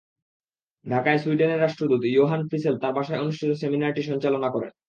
ঢাকায় সুইডেনের রাষ্ট্রদূত ইয়োহান ফ্রিসেল তাঁর বাসায় অনুষ্ঠিত সেমিনারটি সঞ্চালনা করেন।